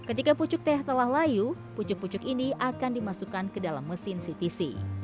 hai ketika pucuk teh telah layu pucuk pucuk ini akan dimasukkan ke dalam mesin ctc